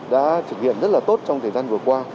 đã thực hiện rất là tốt trong thời gian vừa qua